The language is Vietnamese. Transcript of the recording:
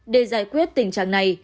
để giải quyết tình trạng này